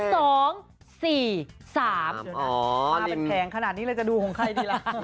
เดี๋ยวมาเป็นแผงขนาดนี้เลยจะดูของใครดีล่ะ